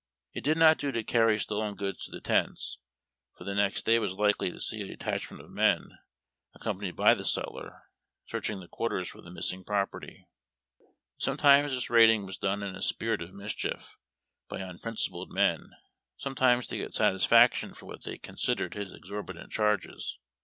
It did not do to carry stolen goods to the tents, for the next day was likely to see a detachment of men, accompanied by the sutler, searching the quarters for the missing property. Sometimes this raid ing was done in a spirit of mischief, by unprincipled men, sometimes to get satisfaction for what they considered his exorbitant charges.